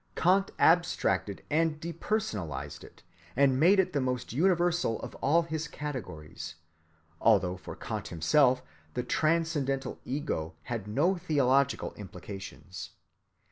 Kant abstracted and depersonalized it, and made it the most universal of all his categories, although for Kant himself the Transcendental Ego had no theological implications.